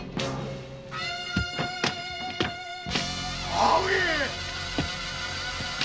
母上！